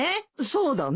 そうだね。